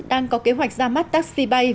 đang có kế hoạch ra mắt taxi bay